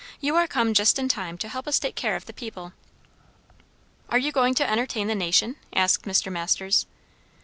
"You are come just in time to help us take care of the people." "Are you going to entertain the nation?" asked Mr Masters.